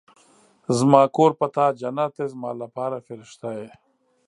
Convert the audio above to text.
زما کور په تا جنت دی زما لپاره فرښته يې